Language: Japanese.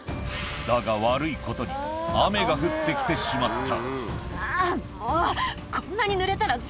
だが悪いことに雨が降って来てしまったあぁもう！